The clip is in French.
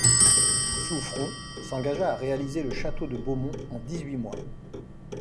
Souffron s'engagea à réaliser le château de Beaumont en dix-huit mois.